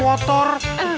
satu mobil satu motor